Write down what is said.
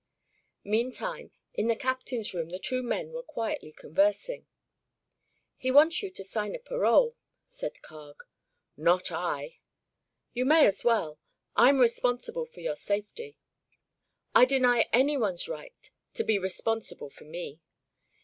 Meantime, in the captain's room the two men were quietly conversing. "He wants you to sign a parole," said Carg. "Not I." "You may as well. I'm responsible for your safety." "I deny anyone's right to be responsible for me.